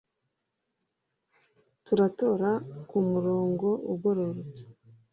Turatora ku murongo ugororotse